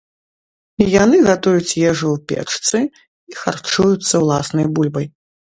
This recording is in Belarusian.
Яны гатуюць ежу ў печцы і харчуюцца ўласнай бульбай.